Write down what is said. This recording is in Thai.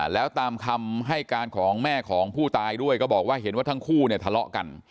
แล้วตามคำให้การของแม่ของผู้ตายด้วยก็บอกว่าเห็นว่าทั้งคู่เนี่ยทะเลาะกัน